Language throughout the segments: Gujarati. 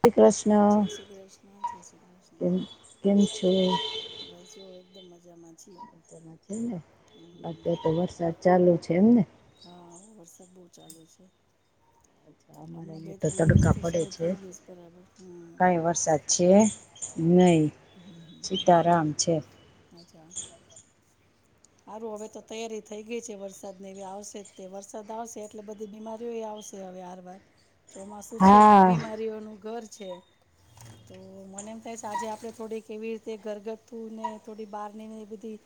શ્રી કૃષ્ણ જય શ્રી કૃષ્ણ જય શ્રી કેમ કૃષ્ણ કેમ છે? બસ જો એકદમ મજા માં છીએ. અત્યાર ન છે ને હમ અત્યાર તો વરસાદ ચાલુ છે એમને. હા વરસાદ બહુ ચાલુ છે, અમારે હમણાં બે અહિયાં તો ત્રણ તડકા દિવસથી પડે શરૂ છે, થઈ ગયું બરાબર હમ કઈ વરસાદ છે નહીં સીતારામ છે, અચછા [unintelligible] સારું હવે તો તૈયારી થઇ ગઈ છે, વરસાદ ને એવી આવશે જ તે વરસાદ આવશે એટલે બધી બીમારીઓ એ આવશે સે અવે આરબાર [inaudible] ચોમાસુ છે, એ હા બીમારીઓનું ઘર છે તો મને એમ થાય છે, આજે આપણે થોડી કેવી રીતે ઘરગથ્થું ને થોડી બહારની એ બધી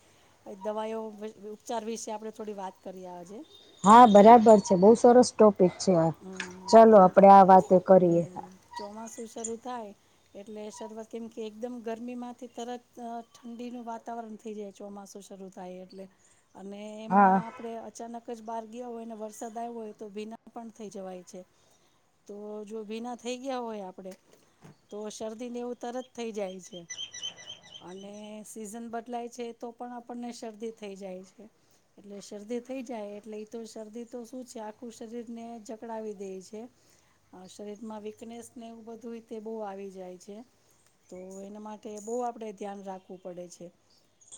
દવાઓ ઉપચાર વિશે આપણે થોડી વાત કરીએ આજે હા, બરાબર છે બઉુ સરસ સ્ટોક છે, હમ ચાલો કેમ કે આપડે આ વાતો કરીએ હમ ચોમાસું શરૂ થાય એટલે શરૂઆત કેમ કે એકદમ ગરમી માંથી તરત ઠંડીનું વાતાવરણ થઈ જાય છે ચોમાસું શરૂ થાય એટલે અને એમાં હા આપડે અચાનક જ બહાર ગયા હોય, વરસાદ આવ્યો હોય તો ભીના પણ થઈ જવાય છે તો જો ભીના થઈ ગયા હોય આપડે તો શરદી ને એવું તરત થઈ જાય છે, અને સીઝન બદલાય છે, તો પણ આપણને શરદી થઈ જાય છે એટલે શરદી થઈ જાય એટલે એ તો શરદી તો શું છે, આખું શરીર ને ચકડાવી દે છે શરીરમાં વીકનેસને બધું રીતે બહુ આવી જાય છે, તો એના માટે બહુ આપણે ધ્યાન રાખવું પડે છે,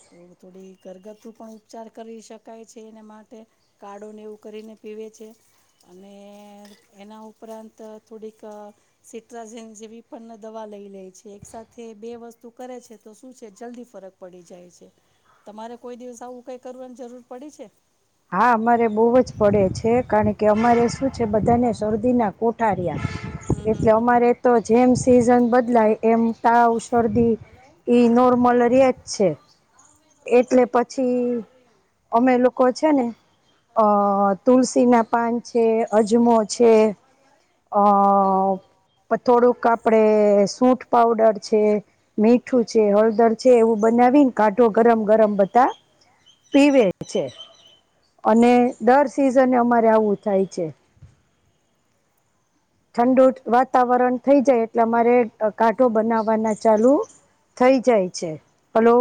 તો થોડી ઘરગથ્થું પણ ઉપચાર કરી શકાય છે એના માટે કાળો ને એવું કરીને પીવે છે અને એના ઉપરાંત થોડીક સિટ્રજન જેવી પણ દવા લઈ લે છે એક સાથે બે વસ્તુ કરે છે તો શું છે, જલ્દી ફરક પડી જાય છે તમારે કોઈ દિવસ આવું કઈ કરવાની જરૂર પડી છે, હા, અમારે બહુ જ પડે છે કારણ કે અમારે શું છે, બધાને હા શરદીના ઉાર્યા હમ હમ એટલે હમ હમ અમારે તો હમ જેમ સિઝન બદલાય એમ તાવ શરદી ઈ નોર્મલ રિયેજ છે, એટલે પછી અમે લોકો છે ને અ તુલસી ના પાન છે અજમો છે અ પણ થોડુંક કાપડે સૂઠ પાવડર છે મીઠું છે હળદર છે એવું બધું નવીન કાંઠો ગરમ ગરમ બધાં પીવે છે અને દર સિઝન અમારે આવું થાય છે ઠંડુ વાતાવરણ થઈ જાય એટલે અમારે કાઠો બનાવવાના ચાલુ થઈ જાય છે hello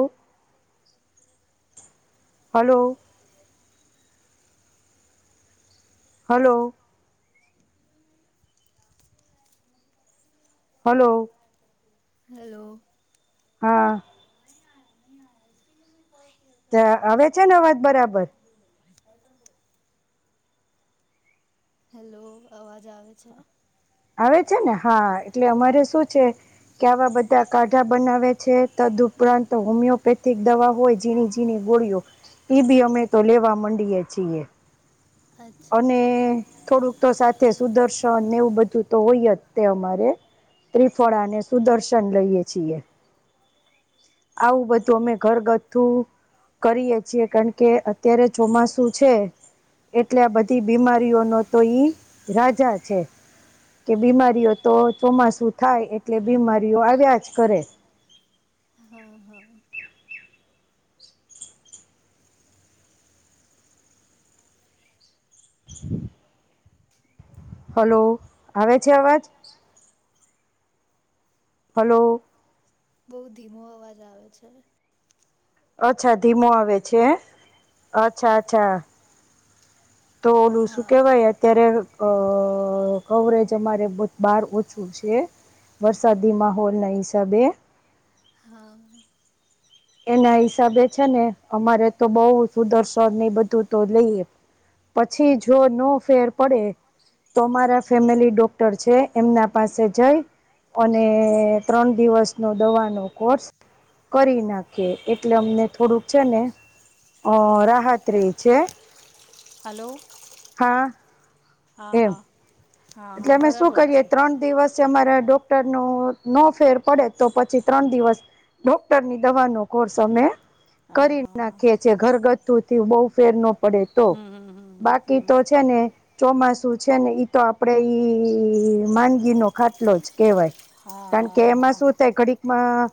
hello hello hello hello હા હવે છે ને અવાજ બરાબર, [unintelligible] હેલો અવાજ આવે છે, આવે છે, ને હા એટલે અમારે શું છે કે આવા બધા કાઢા બનાવે છે તદઉપરાંત હોમિયોપેથિક દવા હોય ઝીણી જઝીણી ગોળયો એ બી અમે તો લેવા માંડીયએ છીએ, અચ્છા અને થોડુંક તો સાથે સુદર્શન એવું બધું તો હોય તે અમારે ત્રિફળાને સુદર્શન લઈએ છીએ આવું બધું અમે ઘર ગથ્થું કરીએ છીએ કારણ કે અત્યારે ચોમાસું છે એટલે બધી બીમારીઓનો તો ઈ રાજા છે કે બીમારીઓ તો ચોમાસું થાય એટલે બીમારીઓ આવ્યા જ કરે [inaudible] હા હા. [inaudible] હલો આવે છે અવાજ. હલો. બહુ ધીમો અવાજ આવે છે. અચ્છા ધીમો આવે છે અચ્છા અચ્છા તો ઓલું શું હા કેહેવાય અત્યારે અ અ કવરેજ અમારે બહાર ઓછું છે. વરસાદી માહોલ ના હિસાબે. હા. એના હિસાબે છે ને અમારે તો બહુ સુદરશ ને બધું તો લઈએ. પછી જો ન ફેર પડે. તોરા ફેમિલી ડોક્ટર છે એમના પાસે જઈ. અને ત્રણ દિવસ નો દવા ન કોર્સ કરી નાખો. ઓકે એટલે અમને થોડુંક છે ને અ રાહત રે છે. હલો. હ. હા હા. હા એટલે હા અમે શું બરાબર કરીએે છે ત્રણ દિવસ.. જે અમારા ડોક્ટર ન નો ફેર પડે તો પછી ત્રણ દિવસ ડોક્ટર ની દવા નો કોર્સ અમે હા કરી હા હા નાખીએ છીએ ઘરગથ્થુ થી બહૂ ફેર નો પડે તો હમ હમ હમ બાકી હમ તો છે ને ચોમાસું છે ને ઈ તો. આપડે ઈ માંનગી નો ખાટલો જ કેવાય. હા કારણ કે હા એમાં હા શું થાય ઘડીકમાં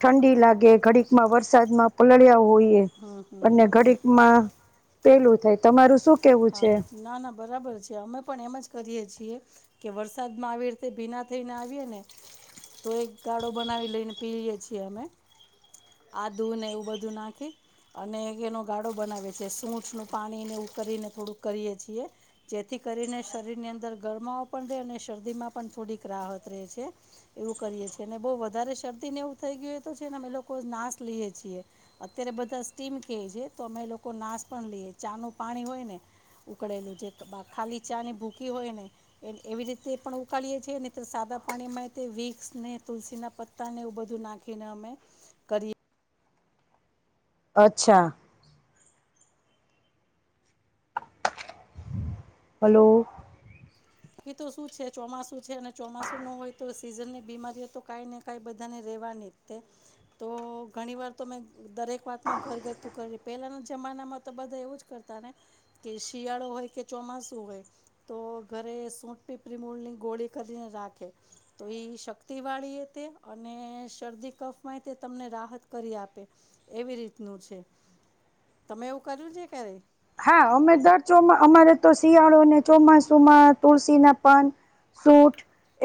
ઠંડી લાગે ઘડીકમાં વરસાદમાં પલળ્યા હોઈએ. હમ હમ અને હમ હમ ઘડીક માં પેલું થાય તમારું શું કેવું હા છે ના ના બરાબર છે, અમે પણ એમ જ કરીએ છીએ. કે વરસાદમાં આવી રીતે ભીના થઈને આવીએ ને તો એક ગાળો બનાવી લઈને પીએ છીએ અમે આધૂ ને એવું બધું નાખે અને એનો ગાળો બનાવે છે, સૂઠ નું પાણીને એવું કરીને. થોડું કરીએ છીએ જેથી કરીને શરીર ની અંદર ગરમાવો પણ રહેે અને શરદીમાં પણ થોડીક. એવું કરીેી બ વધારે શરદી ને એવું થઈ ગય તો છે, એ લોકો નાશ. અત્યારે બધા સ્ટીમ કે છે, તો અમે લોકો નાશ પણ લઈએ ચાનું પાણી હોય ને. ઉકળેલું જે ખાલી ચા ની ભૂખ હોય ને એવી રીતે પણ ઉકાળીએ છેએ ને. સાદા પાણીમાં વીકસ ને તુલસી ના પત્તા ને એવું બધું નાખીને અમે કરીએ. અચ્છા. હલો. તો શું છે ચોમાસુ છે અને ચોમાસુ ન હોય તો સીઝન ની બીમારીઓ તો કઈને ક બધા તો ઘણી વાર તો મે દરેક વાતમાં ઘરગથતું કરી પેલા. જમાનામાં તો બધા એવું જ કરતા ને કે શિયાળો હોય કે ચોમાસુ હોય તો. ઘરે સૂટ પીપી મૂળની ગોળી કરીને રાખે તો શક્તિ વાળી એ તે અને. ને શરદી કફ હોય તમને રાહત કરી આપે એવી રીતનું છે. તમે એવું કર્યું છે ક્યારે. હા અમે દર ચોમા અમારે તો શિયાળોને ચોમાસુમાં તુલસી ના પાન સૂટ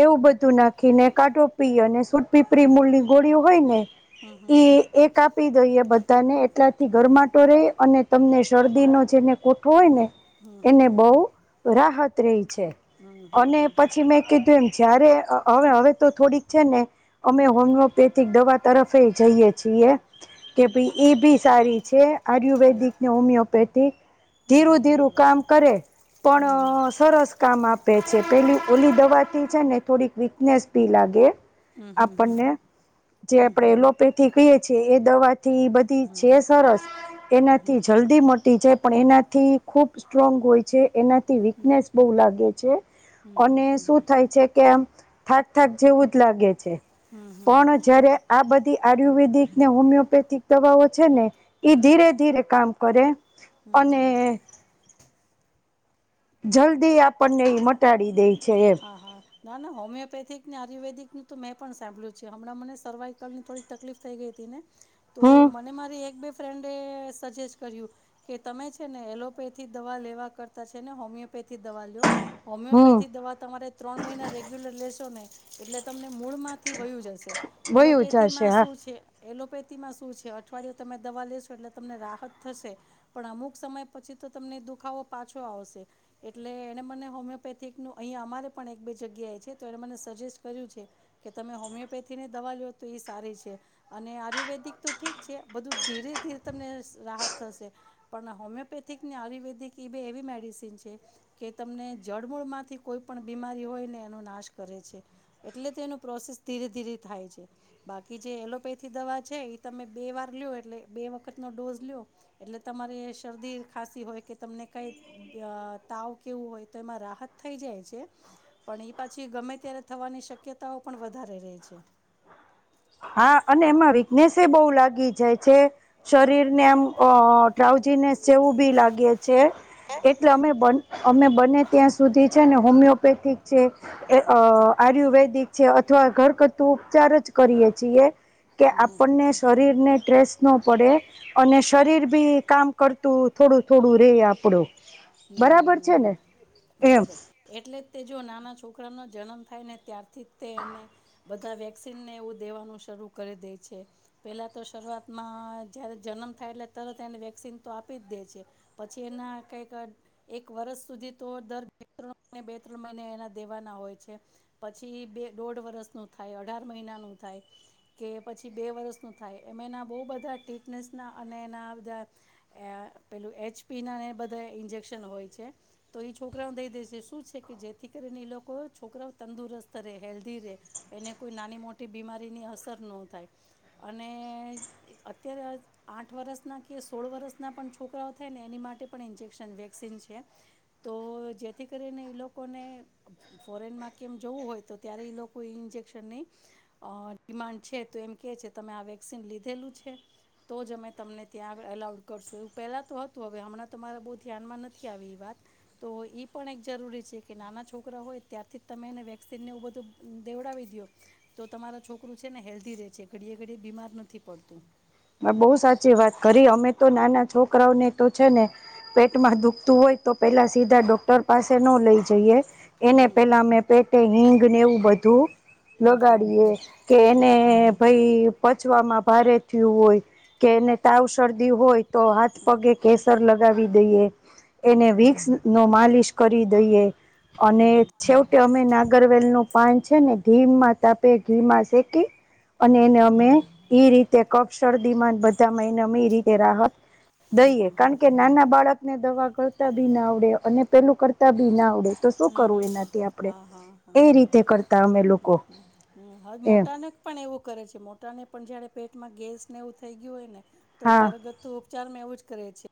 એવું બધું નાખીને કાઢોપી અને સૂટ પીપરી મૂળની ગોળીઓ હોય ને. હમ એ હમ એક આપી દઈએ બધાને એટલાથી હમ ગરમાટો રહી અને તમને શરદી. દીનો જેને કોઠો હોય ને. હમ હમ એને હમ હમ હમ બહ રાહત રહી છે હમ હમ હમ અને પછી મેં કીધું એમ જ્યારે હવે હવે તો થોડીક છે, ને અમે હોમિયોપેથિક દવા તરફે જઈએ છીએ કે ભઈ હમ એ બી સારી છે, હમ આયુર્વેદિક ને હોમિયોપેથ ધી ધીરું, ધીરું કામ કરે પણ સરસ કામ આપે છે. પેલી ઓલી દવા થી છે, ને થોડીક વીકનેસ ભી લાગે આપણને જે આપડે એલોપેથી કહીએ છીએ એ દવા થી બધી જે સરસ એનાથી જલ્દી મ છે, પણ એનાથી ખૂબ સ્ટ્રોંગ હોય છે એના વીકનેસ બહુ લાગે છે, અને શું થાય છે, કે આમ થાક થાક જેવું જ લાગે છે, પણ જયારે આ બધી આયુર્વેદિક ને, હોમિયોપેથિક દવાઓ છે ને એ ધીરે, ધીરે કામ કર અને જલ્દી આપણને ઈ મટાડી દે છે એમ હા, હા ના, ના હોમિયોપેથિક ને આયુર્વેદિકનું તો મેં પણ સાંભળ્યું છે. હમણાં મને સર્વાઈકલની થોડીક તકલીફ થઈ ગઈ હતી ને તો હમ મને મારી એક બે ફ્રેન્ડે સજેસ્ટ કર્યું કે તમે છે, ને એલોપેથી દવા લેવા કરતા ને હોમિયો પેથથી દવા લ્યો હમ હોમિયોપેથિક દવા તમારે ત્રણ મહિના રેગ્યુલર લેશો ને એટલે તમને મૂળમાં માંથી વયું જશે વયું એલોપેથી જશે માં હા શું છે. એલોપેથીમાં શું છે, અઠવાડિયું તમે દવા લેશો એટલે તમને રાહત થશે પણ અમુક સમય પછી તમને દુખાવો પાછો આવશે એટલે એને મને હોમિયોપેથીકનું અહીંયા અમારે પણ એક બે જગ્યાએ છે. તો એણે મને સજેસ્ટ કર્યું છે, કે તમે હોમિયોપેથીને દવા લો તો એ સારી છે, અને આયુર્વેદિક તો ઠીક છે, બધું ધીરે ધીરે તમને રાહત થશે પણ હોમિયોપેથિક ને આયુર્વેદિક કે બે એવી મેડિસિન છે કે તમને જડમૂળ માંથી કોઈ પણ બીમારી હોય ને એનો નાશ કરે છે, એટલે તો એનું પ્રોસેસ ધીરે ધીરે થાય છે. બાકી જે એલોપેથી દવા છે, એ તમે બે વાર લ્યો એટલે બે વખતનો ડોઝ લ્યો એટલે તમા તમારી એ શરદી ખાસી હોય કે તમને કઈ તાવ કેવું હોય તો એમાં રાહત થઈ જાય છે પણ એ પાછી ગમે ત્યારે થવાની શક્યતાઓ પણ વધારે રહે છે. [inaudible] હા અને એમાં વીકનેસ બહુ લાગી જાય છે શરીર ને એમ અ ટ્રાઉજીને જેવું બી લાગે છે એટલે અમે બંને અમે બને ત્યાં સુધી છે ને હોમિયોપેથિક છે આયુર્વેદિક છે અથવા ઘર ઉપચાર જ કરીએ છીએ કે હમ હમ હમ આપણને શરીરને ટ્રેસ્ટ ન પડે અને શરીર બી કામ કરતું થોડું થોડું રે આપણું હમ બરાબર હમ છે હમ ને એમ બરાબર એટલે તે જો નાના છોકરાનો જન્મ થાય ને ત્યારથી તે એને બધા વેક્સિનને એવું દેવાનું શ શરૂ કરી દે છે, પહેલા તો શરૂઆતમાં જ્યારે જન્મ થાય એટલે તરત એને વેક્સિન આપી કરી જ દે છે, પછી એના કઈક એક વર્ષ સુધી તો દર બે, ત્રણ બે, ત્રણ મહિને એના દેવાના હોય છે. પછી ઈ બે દોઢ વર્ષ નું થાય અઢાર મહિનાનું થાય કે પછી બે વર્ષ નું થાય એમના ખૂબ બધા ટીટનેસના અને એના બધા પેલું એચપીના બધા ઇન્જેક્શન આપતા હોય છે તો ઈ છોકરાઓને દઈ દે છે, કે શું જેથી કરીને એ લોકો છોકરાઓ તંદુરસ્ત હેલ્ધી રે એને કોઈ નાની, મોટી બીમારીની અસર ન થાય અને અત્યારે આઠ વર્ષના કે સોળ વર્ષ ના પણ છોકરાઓ થાય ને એની માટે પણ ઇન્જેક્શન દે વેક્સિન છે તો જેથી કરીને એ લોકોને ફોરેનમાં કેમ જવું હોય તો ત્યારે એ લોકો એ ઇન્જેક્શનની અ ડિમાન્ડ છે તો એમ કે છે, તમે આ વેક્સિન લીધેલું છે તો જ અમે તમને ત્યાં અલાઉડ કરશું એવું પેલા તો હતું હવે હમણાં તો હવે બહુ ધ્યાનમાં નથી. નથી આવી એ વાત ઈ પણ એક જરૂરી છે કે નાના છોકરા હોય ત્યારથી તમે એને વેક્સિન ને એવું બધું દેવડાવી દયો તો તમારા છોકરું છે ને હેલ્ધી રે છે ઘડીએ ઘડીએ બીમાર નથી પડતું. બહુ સાચી વાત કરી અમે તો નાના છોકરાઓને તો છે ને પેટ માં દુખતું હોય. તો પેલા સીધા ડોક્ટર પાસે ન લઈ જઈએ. એને હમ પેલા અમે પેટે એવું બધું હમ હમ લગાડીએ. કે એને હમ હમ ભાઈ પચવામાં ભારે થયું હોય. કે એને તાવ શરદી હોય તો, હાથ પગે હમ કેસર લગ વી દઈએ. હમ એને હમ વિકસ નો માલિશ કરી દઈએ. અને હમ હમ છેવટે અમે ના ગરવેલ નું પાન છે ને, ઘીમાં તાપે, ઘી માં શેકી હમ હમ હમ અને હમ એને હમ હમ અમે ઈ રીતે કફ શરદી માં બધામાં [unintelligible] અમે એ રીતે રાહત દઈએ. કારણ કે નાના બાળક ને દવા ગણતા બી ના આવડે, અને પેલું કરતા બી ના આવડે તો હમ શું હમ હમ કરવું હમ એનાથી આપણેે. હા હા હા એ રીતે કરતા અમે હમ લોકો હમ હમ હા એમ. મોટાને પણ એવું કરે છે. મોટા ને પણ જયારે પેટમાં ગેસ ને એવું થઈ ગયું હોય ને, તો હા ઘરગથ્થુ ઉપચાર માં એવું જ કરે છે.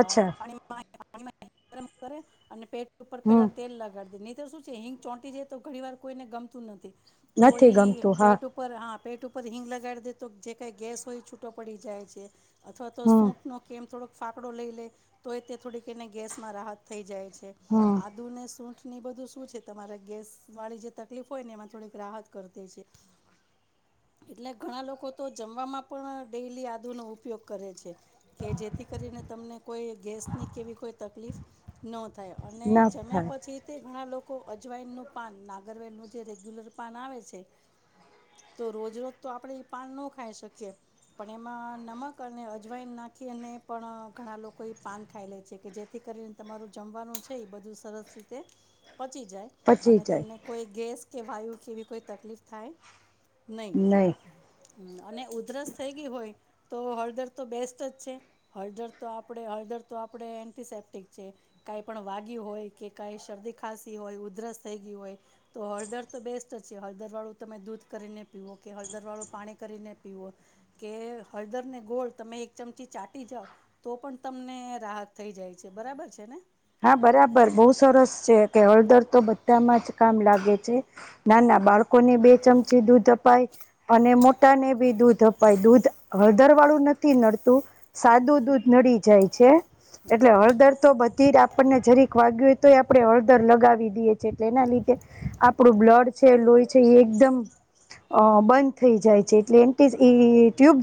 અચ્છા પાણી ગરમ કરે અને પેટ ઉપર હમ પેલા લગાડ દે, નહીર શું છે હિંગ ચોંટી છે. તો ઘણી વાર કોઈને ગમતું નથી. તો નથી ઈ ગમતું હા પેટ ઉપર હા. પેટ ઉપર હિંગ લગાડી દે તો, જે કઈ ગેસ હોય છૂટો પડી જાય છે અથવા તો હમ સૂટ નો કેમ થોડોક ફાકડો લઈ લે તો એ તે થોડીક એને ગેસમાં રાહત થઈ જાય. છે હમ આ. સૂઠ ની બધું શું છે તમારે ગેસ વાળી જે તકલીફ હોય ને એમાં થોડીક રાહત કર દે છે. [inaudible] એટલે ઘણા લોકો તો, જમવાવામાં પણ ડેલી આદુ નો ઉપયોગ કરે છે. કે જેથી કરીને તમને કોઈ ગેસ ની કેવી કોઈ તકલીફ ન થાય. અને ના જમ્યા થાય પછી તે ઘણા લોકો અજવાઈનનું પાન, નાગરવેન નું જે રેગ્યુલર પાન આવે છે. તો રોજ રોજ તો આપડે એ પાન ન ખાઈ શકીએ. પણ એમાં નમક અને અજવાઈણ નાખીને પણ ઘણા લોકો એ પાન ખાઈ લે છે. કે જેથી કરીને તમારું જમવાનું છે એ બધું. સરસ રીતે પચી જાય, પચી અને જાય તમને કોઈ ગેસ. કે વાયુ કેવી કોઈ તકલીફ થાય. નહીં નહી. અને ઉધરસ થઈ ગઈ હોય તો, હળદર તો બેસ્ટ જ છે. હળદર તો આપડ હળદર. આપ એન્ટીસેપ્ટિક છે. કઈ પણ વાગી હોય. કે કા શરદી ખાંસી હોય, ઉધરસ થઈ ગય હોય, તો હળદર તો બેસ્ટ જ છે. હળદર વાળું તમે દૂધ. કરીને પીવો. કે હળદર વાળું પાણી કરીને પીવો. કે હળદરને ગોળ તમે એક ચમ. ચાટી જાવ તો પણ તમને રાહત થઈ જાય છે. બરાબર છે ને? હા! બરાબર બહું સરસ છે. કે હળદર તો બધામાં જ કામ લાગે છે. ના ના બાળકોને બે ચમચી દૂધ અપાય અને મોટાને બી દૂધ અપાય. દૂધ હળદર વાળું નથી નડતું, સાદું દૂધ નડી જાય છે. એટલે હળદર તો બધ તીર આપણને જરીક વાગ્યું હોય તો, આપણે હળદર લગાવી દઈએ છએ, એટલે એના લીધે આપણું બ્લડ લોહી છે એ એકદમ બંધ થઈ જાય છે. એટલે એ ટ્યુબ